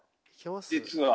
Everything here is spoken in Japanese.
実は。